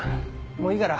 もういいから。